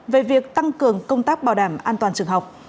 về việc tăng cường công tác bảo đảm an toàn trường học